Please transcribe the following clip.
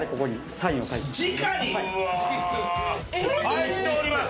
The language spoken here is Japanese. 入っております。